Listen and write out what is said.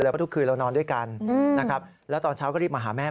แล้วก็ทุกคืนเรานอนด้วยกันนะครับแล้วตอนเช้าก็รีบมาหาแม่